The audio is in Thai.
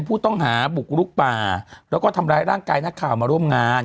ผู้ต้องหาบุกลุกป่าแล้วก็ทำร้ายร่างกายนักข่าวมาร่วมงาน